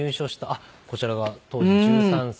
あっこちらが当時１３歳。